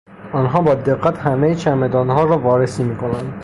آنها با دقت همهی چمدانها را وارسی میکنند.